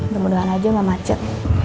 demudahan aja gak macet